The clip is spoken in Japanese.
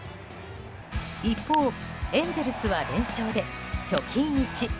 一方、エンゼルスは連勝で貯金１。